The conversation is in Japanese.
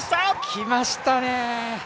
きましたね。